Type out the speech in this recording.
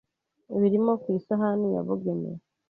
birimo ku isahani yabugenewe